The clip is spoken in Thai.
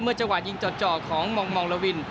เมื่อจังหวัดยิงจอดของมองลวิน